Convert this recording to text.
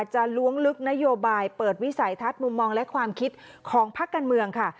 ล้วงลึกนโยบายเปิดวิสัยทัศน์มุมมองและความคิดของพักการเมืองค่ะ